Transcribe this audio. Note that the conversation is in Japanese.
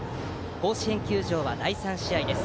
甲子園球場は第３試合です。